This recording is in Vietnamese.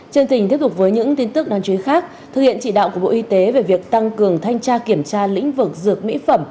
chương trình tiếp tục với những tin tức đáng chú ý khác thực hiện trị đạo của bộ y tế về việc tăng cường thanh tra kiểm tra lĩnh vực dược mỹ phẩm